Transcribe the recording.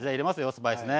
スパイスね。